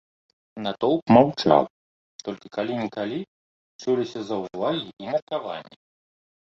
Натоўп маўчаў, толькі калі-нікалі чуліся заўвагі і меркаванні.